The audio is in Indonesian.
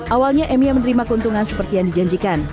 awalnya emia menerima keuntungan seperti yang dijanjikan